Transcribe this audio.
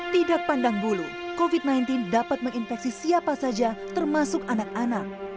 tidak pandang bulu covid sembilan belas dapat menginfeksi siapa saja termasuk anak anak